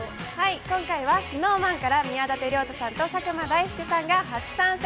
今回はＳｎｏｗＭａｎから宮舘涼太さんと佐久間大介さんが初参戦。